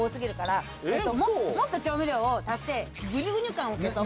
もっと調味料を足してグニュグニュ感を消そう。